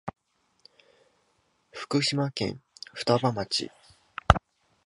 福島県双葉町